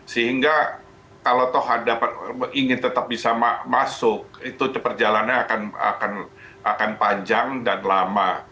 sehingga kalau ingin tetap bisa masuk itu perjalanannya akan panjang dan lama